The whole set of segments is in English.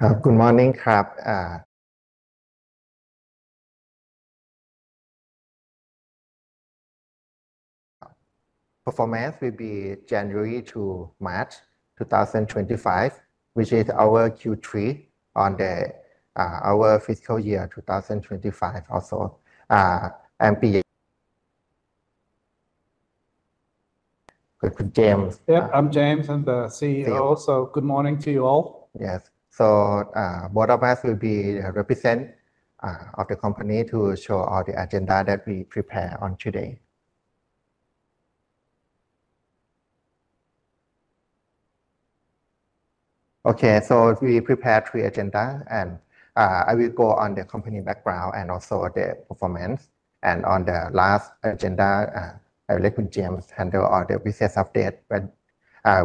Good morning, Crab. Performance will be January to March 2025, which is our Q3 on the, our fiscal year 2025 also. MC. Good. James. Yep. I'm James. I'm the CEO, so good morning to you all. Yes. Both of us will be the represent, of the company to show all the agenda that we prepare on today. Okay. We prepare three agendas, and, I will go on the company background and also the performance. On the last agenda, I'll let James handle all the business updates when,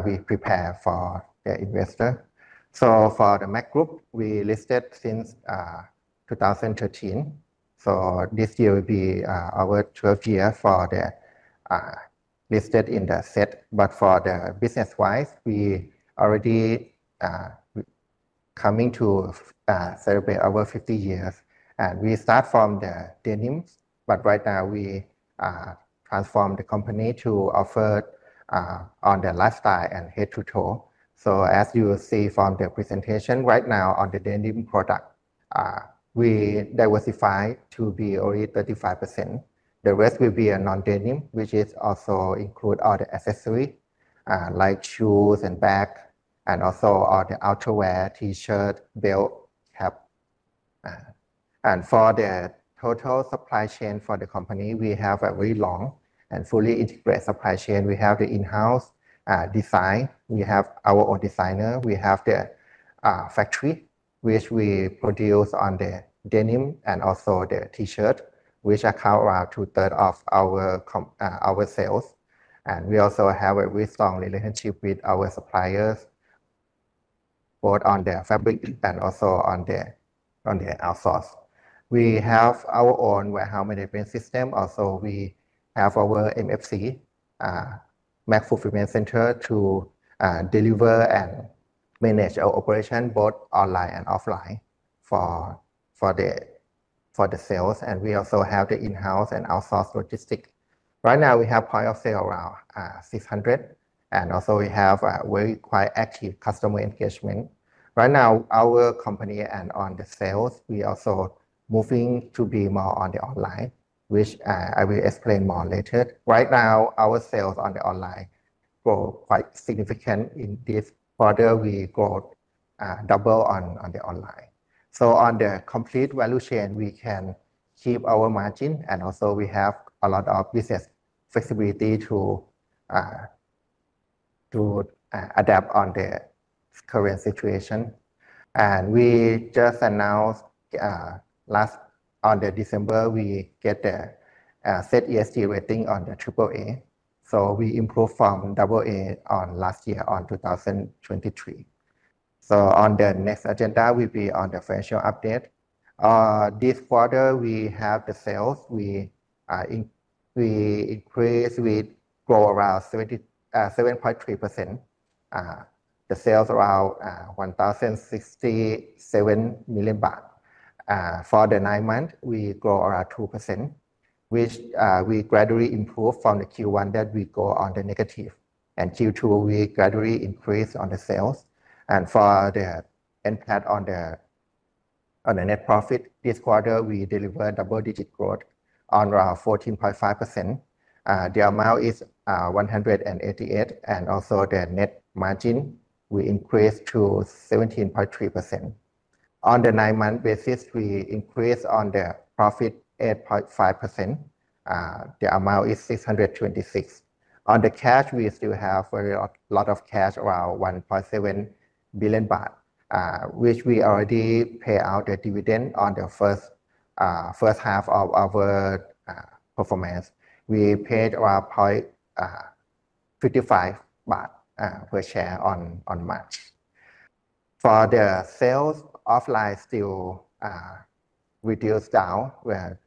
we prepare for the investor. For the MC Group, we listed since, 2013. This year will be, our 12th year for the, listed in the SET. For the business-wise, we already, coming to, celebrate our 50 years. We start from the denims, but right now we, transform the company to offer, on the lifestyle and head-to-toe. As you will see from the presentation right now on the denim product, we diversify to be only 35%. The rest will be a non-denim, which is also include all the accessories, like shoes and bag, and also all the outerwear, T-shirt, belt, cap. For the total supply chain for the company, we have a very long and fully integrated supply chain. We have the in-house, design. We have our own designer. We have the factory, which we produce on the denim and also the T-shirt, which account around two-thirds of our com, our sales. We also have a very strong relationship with our suppliers, both on the fabric and also on the outsource. We have our own warehouse management system. Also, we have our MFC, MC Fulfillment Center, to deliver and manage our operation both online and offline for the sales. We also have the in-house and outsource logistics. Right now, we have point of sale around 600, and also we have a very quite active customer engagement. Right now, our company and on the sales, we also moving to be more on the online, which I will explain more later. Right now, our sales on the online grow quite significant in this quarter. We grow double on the online. On the complete value chain, we can keep our margin, and also we have a lot of business flexibility to adapt on the current situation. We just announced last on the December, we get the SET ESG rating on the triple A. We improved from double A on last year on 2023. On the next agenda, we'll be on the financial update. This quarter, we have the sales. We increase, we grow around 7.3%. The sales are around 1,067 million baht. For the nine month, we grow around 2%, which, we gradually improve from the Q1 that we go on the negative. In Q2, we gradually increase on the sales. For the end plate on the net profit, this quarter, we deliver double-digit growth on around 14.5%. The amount is 188, and also the net margin we increased to 17.3%. On the nine-month basis, we increased on the profit 8.5%. The amount is 626. On the cash, we still have a lot of cash, around 1.7 billion baht, which we already pay out the dividend on the first, first half of our performance. We paid around 0.55 baht per share in March. For the sales, offline still reduced down where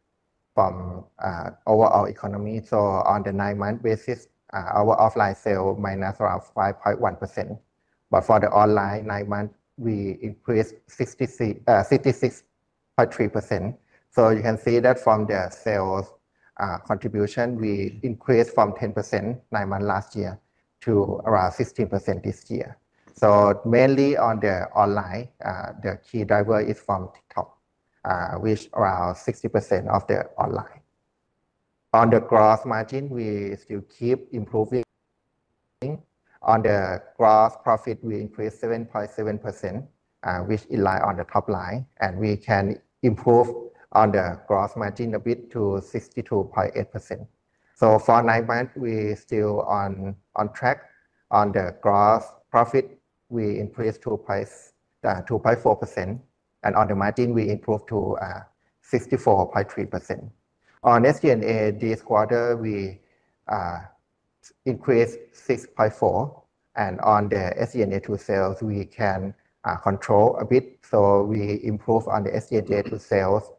from overall economy. On the nine-month basis, our offline sale minus around 5.1%. For the online nine month, we increased 66, 66.3%. You can see that from the sales contribution, we increased from 10% nine months last year to around 16% this year. Mainly on the online, the key driver is from TikTok, which is around 60% of the online. On the gross margin, we still keep improving. On the gross profit, we increased 7.7%, which aligns on the top line, and we can improve on the gross margin a bit to 62.8%. For nine month, we are still on track. On the gross profit, we increased 2.4%, and on the margin, we improved to 64.3%. On SG&A, this quarter, we increased 6.4%, and on the SG&A to sales, we can control a bit. We improved on the SG&A to sales,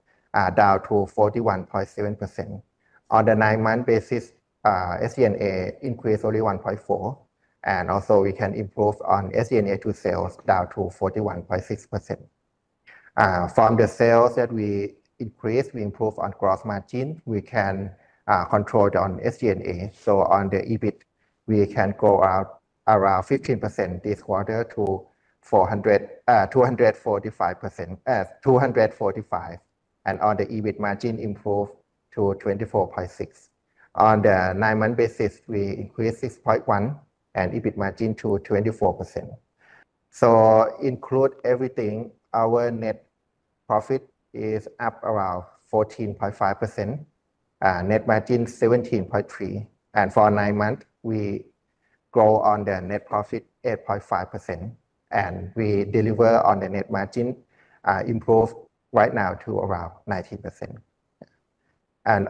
down to 41.7%. On the nine-month basis, SG&A increased only 1.4%, and also we can improve on SG&A to sales down to 41.6%. From the sales that we increased, we improved on gross margin. We can control on SG&A. On the EBITDA, we can go out around 15% this quarter to 400, 245%, 245, and on the EBITDA margin improved to 24.6%. On the nine-month basis, we increased 6.1% and EBITDA margin to 24%. Include everything, our net profit is up around 14.5%, net margin 17.3%, and for nine month, we grow on the net profit 8.5%, and we deliver on the net margin, improved right now to around 19%.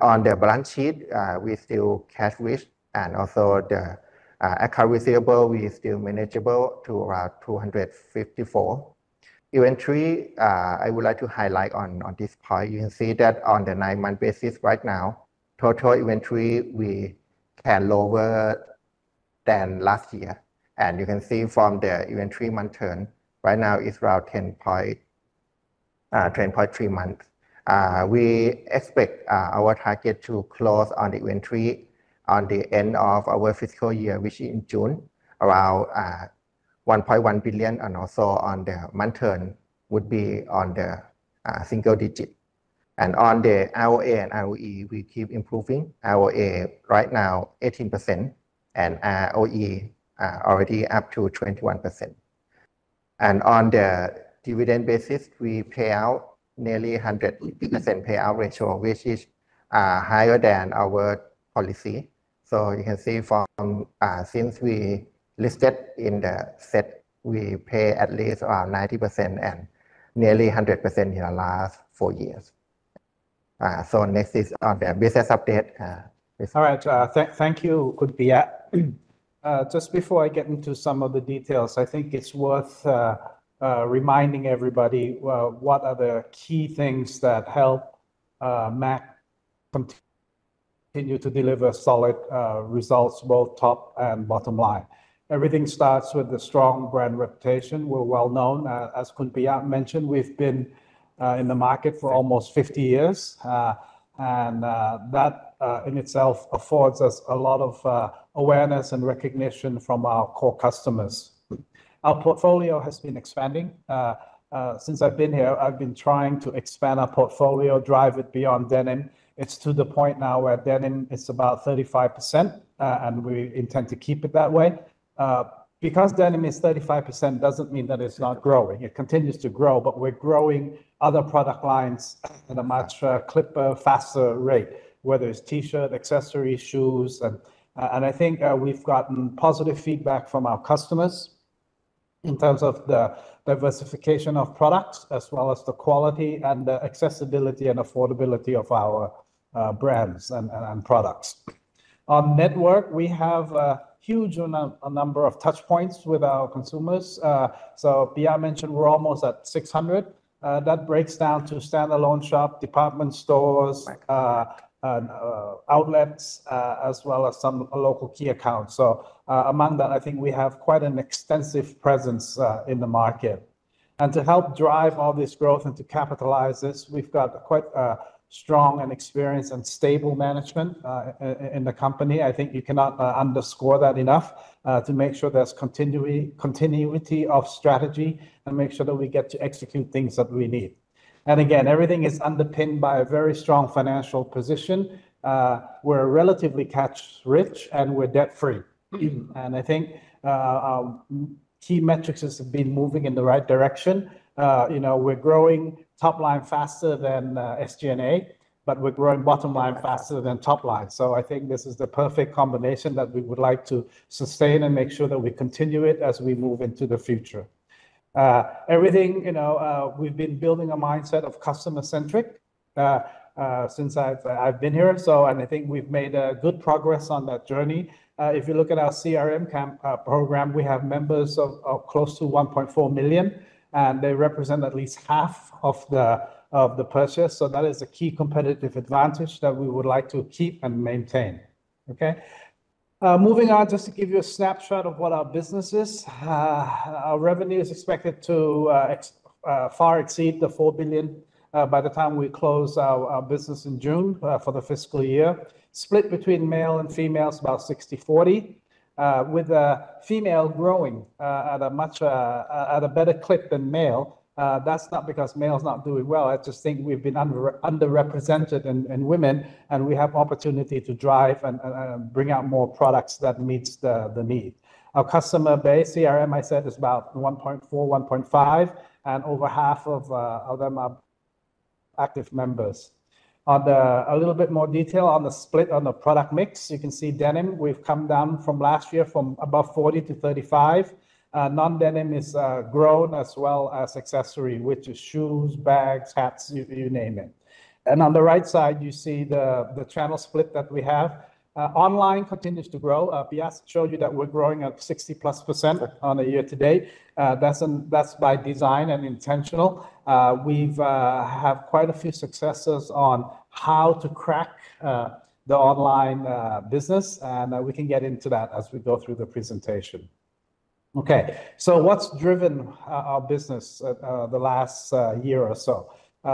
On the balance sheet, we still cash rich, and also the account receivable, we still manageable to around 254. Event three, I would like to highlight on, on this point. You can see that on the nine-month basis right now, total inventory, we can lower than last year. You can see from the inventory month turn, right now is around 10.3 months. We expect, our target to close on the inventory on the end of our fiscal year, which is in June, around 1.1 billion, and also on the month turn would be on the single digit. On the ROA and ROE, we keep improving. ROA right now 18%, and ROE, already up to 21%. On the dividend basis, we pay out nearly 100% payout ratio, which is higher than our policy. You can see from, since we listed in the SET, we pay at least around 90% and nearly 100% in the last four years. Next is on the business update. All right. Thank you, goodbye. Just before I get into some of the details, I think it's worth reminding everybody what are the key things that help MC continue to deliver solid results both top and bottom line. Everything starts with a strong brand reputation. We're well known, as Kunpiya mentioned. We've been in the market for almost 50 years, and that in itself affords us a lot of awareness and recognition from our core customers. Our portfolio has been expanding. Since I've been here, I've been trying to expand our portfolio, drive it beyond denim. It's to the point now where denim is about 35%, and we intend to keep it that way. Because denim is 35% doesn't mean that it's not growing. It continues to grow, but we're growing other product lines at a much faster rate, whether it's T-shirt, accessories, shoes, and I think we've gotten positive feedback from our customers in terms of the diversification of products as well as the quality and the accessibility and affordability of our brands and products. On network, we have a huge number of touch points with our consumers. Piya mentioned we're almost at 600. That breaks down to standalone shop, department stores, outlets, as well as some local key accounts. Among that, I think we have quite an extensive presence in the market. To help drive all this growth and to capitalize this, we've got quite a strong and experienced and stable management in the company. I think you cannot underscore that enough, to make sure there's continuity, continuity of strategy and make sure that we get to execute things that we need. Again, everything is underpinned by a very strong financial position. We're relatively cash rich and we're debt free. I think our key metrics have been moving in the right direction. You know, we're growing top line faster than SG&A, but we're growing bottom line faster than top line. I think this is the perfect combination that we would like to sustain and make sure that we continue it as we move into the future. Everything, you know, we've been building a mindset of customer-centric, since I've been here. I think we've made good progress on that journey. If you look at our CRM program, we have members of close to 1.4 million, and they represent at least half of the purchase. That is a key competitive advantage that we would like to keep and maintain. Okay, moving on, just to give you a snapshot of what our business is. Our revenue is expected to far exceed 4 billion by the time we close our business in June for the fiscal year, split between male and females, about 60/40, with female growing at a much, at a better clip than male. That's not because male's not doing well. I just think we've been underrepresented in women, and we have opportunity to drive and bring out more products that meets the need. Our customer base, CRM, I said, is about 1.4, 1.5, and over half of them are active members. On the, a little bit more detail on the split on the product mix, you can see denim. We've come down from last year from above 40 to 35. Non-denim has grown as well as accessories, which is shoes, bags, hats, you name it. On the right side, you see the channel split that we have. Online continues to grow. Bia showed you that we're growing at 60+% on a year to date. That's by design and intentional. We've had quite a few successes on how to crack the online business, and we can get into that as we go through the presentation. Okay. What's driven our business the last year or so?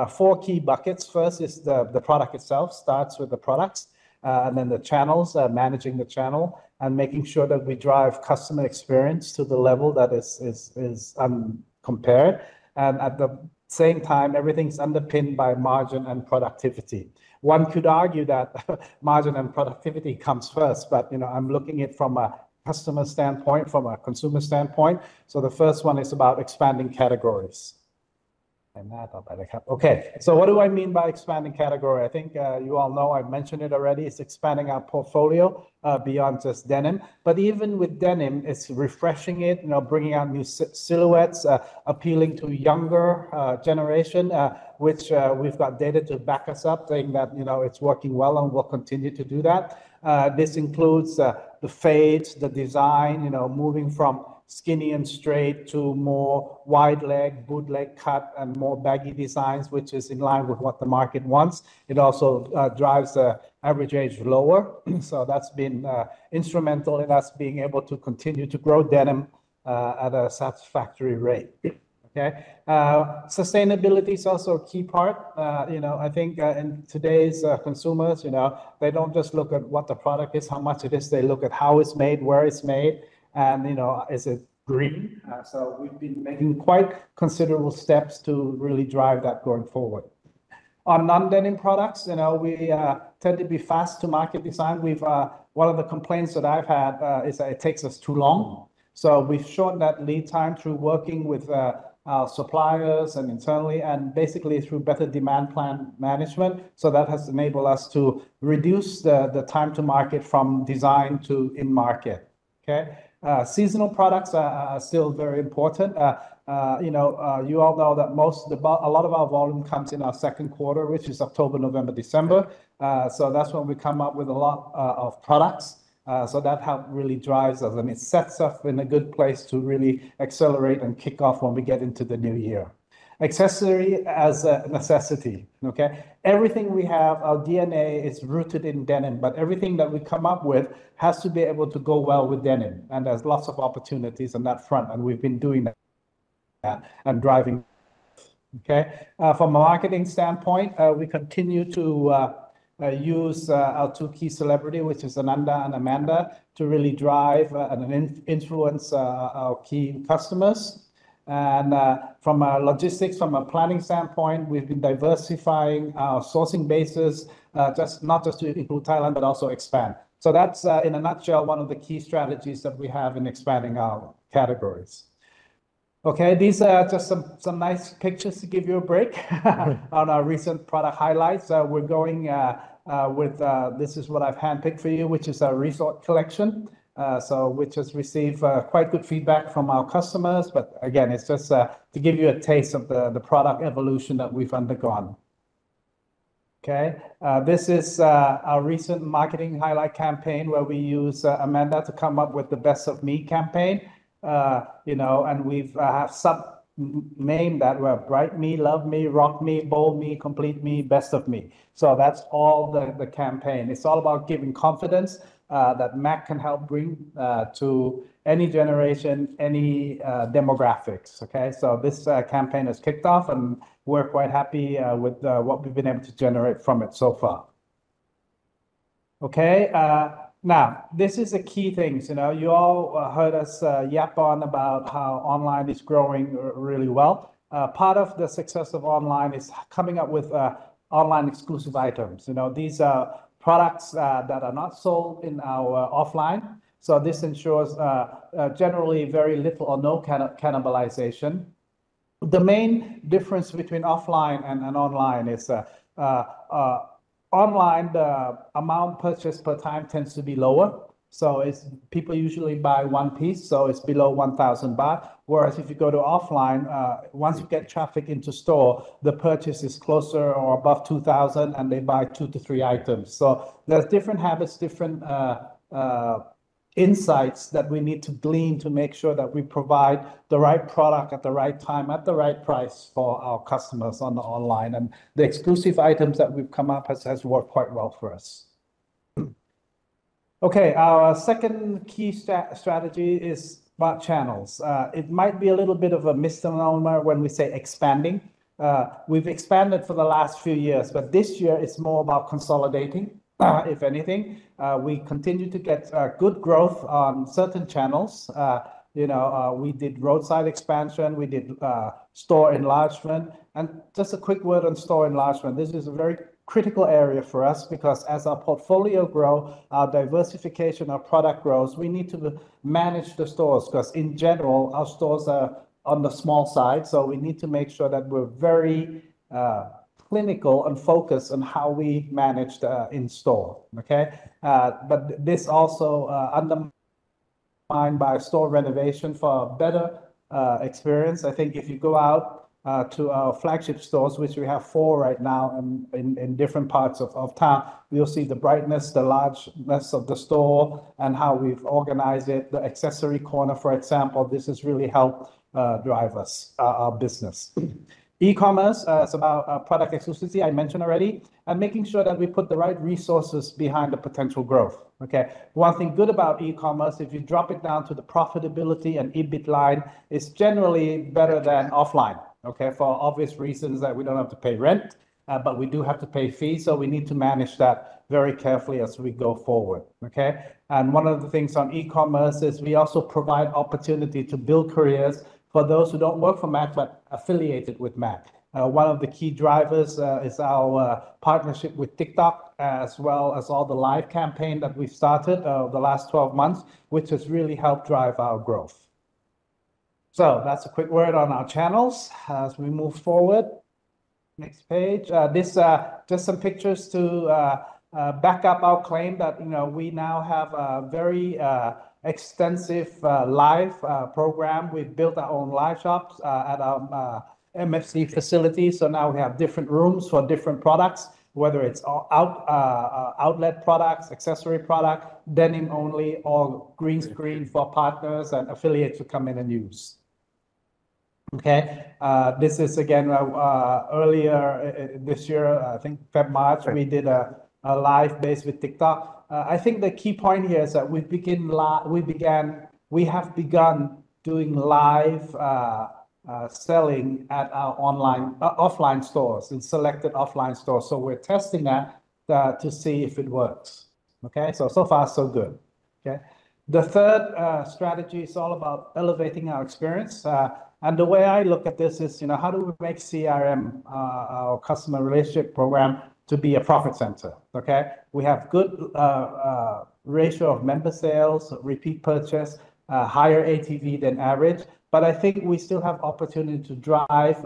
Four key buckets. First is the product itself, starts with the products, and then the channels, managing the channel and making sure that we drive customer experience to the level that is uncompared. At the same time, everything's underpinned by margin and productivity. One could argue that margin and productivity comes first, but, you know, I'm looking at it from a customer standpoint, from a consumer standpoint. The first one is about expanding categories. What do I mean by expanding category? I think you all know I mentioned it already. It's expanding our portfolio beyond just denim. Even with denim, it's refreshing it, you know, bringing out new silhouettes, appealing to younger generation, which we've got data to back us up saying that, you know, it's working well and we'll continue to do that. This includes the fades, the design, you know, moving from skinny and straight to more wide leg, bootleg cut, and more baggy designs, which is in line with what the market wants. It also drives the average age lower. So that's been instrumental in us being able to continue to grow denim at a satisfactory rate. Okay. Sustainability is also a key part. You know, I think in today's consumers, you know, they do not just look at what the product is, how much it is. They look at how it is made, where it is made, and, you know, is it green. So we have been making quite considerable steps to really drive that going forward. On non-denim products, you know, we tend to be fast to market design. One of the complaints that I have had is that it takes us too long. We've shown that lead time through working with our suppliers and internally and basically through better demand plan management. That has enabled us to reduce the time to market from design to in market. Seasonal products are still very important. You know, you all know that most of the, a lot of our volume comes in our second quarter, which is October, November, December. That's when we come up with a lot of products. That help really drives us and it sets us in a good place to really accelerate and kick off when we get into the new year. Accessory as a necessity. Everything we have, our DNA is rooted in denim, but everything that we come up with has to be able to go well with denim. There are lots of opportunities on that front, and we've been doing that and driving. Okay. From a marketing standpoint, we continue to use our two key celebrity, which is Ananda and Amanda, to really drive and influence our key customers. From our logistics, from a planning standpoint, we've been diversifying our sourcing basis, not just to include Thailand, but also expand. That is, in a nutshell, one of the key strategies that we have in expanding our categories. Okay. These are just some nice pictures to give you a break on our recent product highlights. We're going with, this is what I've handpicked for you, which is our resort collection, which has received quite good feedback from our customers. Again, it's just to give you a taste of the product evolution that we've undergone. Okay. This is our recent marketing highlight campaign where we use Amanda to come up with the Best of Me campaign, you know, and we've sub-named that we're Bright Me, Love Me, Rock Me, Bold Me, Complete Me, Best of Me. So that's all the campaign. It's all about giving confidence that MC can help bring to any generation, any demographics. Okay. So this campaign has kicked off and we're quite happy with what we've been able to generate from it so far. Okay. Now this is a key thing. You know, you all heard us yap on about how online is growing really well. Part of the success of online is coming up with online exclusive items. You know, these are products that are not sold in our offline. This ensures generally very little or no cannibalization. The main difference between offline and online is, online, the amount purchased per time tends to be lower. It's people usually buy one piece, so it's below 1,000 baht. Whereas if you go to offline, once you get traffic into store, the purchase is closer or above 2,000 and they buy two to three items. There's different habits, different insights that we need to glean to make sure that we provide the right product at the right time, at the right price for our customers on the online. The exclusive items that we've come up has worked quite well for us. Our second key strategy is about channels. It might be a little bit of a misnomer when we say expanding. We've expanded for the last few years, but this year it's more about consolidating, if anything. We continue to get good growth on certain channels. You know, we did roadside expansion, we did store enlargement. Just a quick word on store enlargement. This is a very critical area for us because as our portfolio grows, our diversification, our product grows, we need to manage the stores because in general, our stores are on the small side. We need to make sure that we're very clinical and focused on how we manage the in store. Okay. This also, under by store renovation for a better experience. I think if you go out to our flagship stores, which we have four right now in different parts of town, you'll see the brightness, the largess of the store and how we've organized it. The accessory corner, for example, this has really helped drive us, our business. E-commerce, it's about product exclusivity I mentioned already and making sure that we put the right resources behind the potential growth. Okay. One thing good about e-commerce, if you drop it down to the profitability and EBIT line, it's generally better than offline. Okay. For obvious reasons that we don't have to pay rent, but we do have to pay fees. We need to manage that very carefully as we go forward. Okay. One of the things on e-commerce is we also provide opportunity to build careers for those who don't work for MC, but are affiliated with MC. One of the key drivers is our partnership with TikTok as well as all the live campaign that we've started the last 12 months, which has really helped drive our growth. That's a quick word on our channels as we move forward. Next page. This, just some pictures to back up our claim that, you know, we now have a very extensive live program. We've built our own live shops at our MFC facility. So now we have different rooms for different products, whether it's outlet products, accessory products, denim only, or green screen for partners and affiliates to come in and use. Okay. This is again, earlier this year, I think February, March, we did a live base with TikTok. I think the key point here is that we begin live, we began, we have begun doing live selling at our online, offline stores and selected offline stores. We're testing that to see if it works. Okay. So far, so good. The third strategy is all about elevating our experience. and the way I look at this is, you know, how do we make CRM, our customer relationship program, to be a profit center? Okay. We have good ratio of member sales, repeat purchase, higher ATV than average. I think we still have opportunity to drive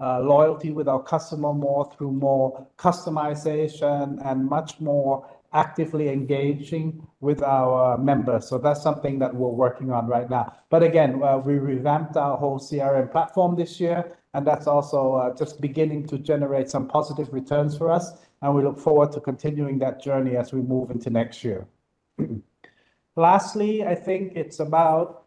loyalty with our customer more through more customization and much more actively engaging with our members. That's something that we're working on right now. Again, we revamped our whole CRM platform this year, and that's also just beginning to generate some positive returns for us. We look forward to continuing that journey as we move into next year. Lastly, I think it's about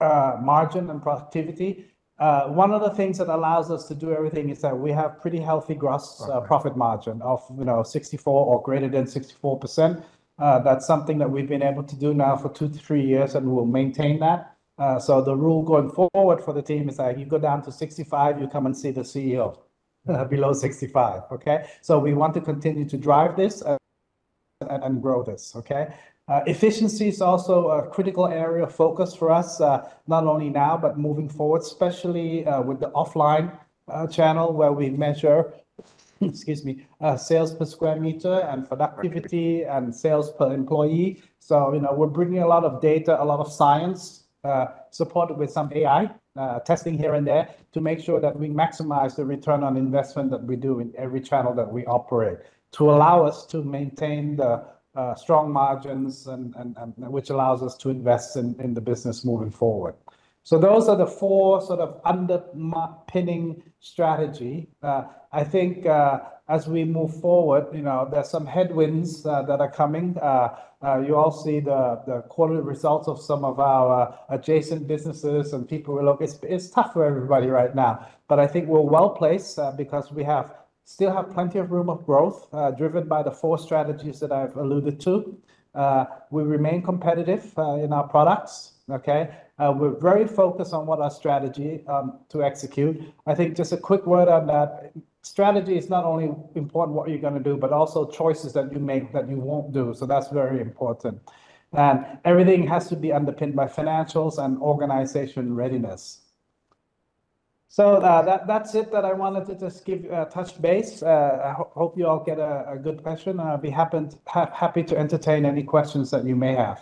margin and productivity. One of the things that allows us to do everything is that we have pretty healthy gross profit margin of, you know, 64% or greater than 64%. That's something that we've been able to do now for two to three years, and we'll maintain that. The rule going forward for the team is that you go down to 65, you come and see the CEO, below 65. Okay. We want to continue to drive this and grow this. Efficiency is also a critical area of focus for us, not only now, but moving forward, especially with the offline channel where we measure, excuse me, sales per square meter and productivity and sales per employee. You know, we're bringing a lot of data, a lot of science, supported with some AI, testing here and there to make sure that we maximize the return on investment that we do in every channel that we operate to allow us to maintain the strong margins, which allows us to invest in the business moving forward. Those are the four sort of underpinning strategy. I think, as we move forward, you know, there's some headwinds that are coming. You all see the quarterly results of some of our adjacent businesses and people will look, it's tough for everybody right now, but I think we're well placed, because we still have plenty of room of growth, driven by the four strategies that I've alluded to. We remain competitive in our products. We're very focused on what our strategy to execute. I think just a quick word on that. Strategy is not only important what you're gonna do, but also choices that you make that you won't do. That's very important. Everything has to be underpinned by financials and organization readiness. That's it that I wanted to just give you a touch base. I hope you all get a good question. I'll be happy to entertain any questions that you may have.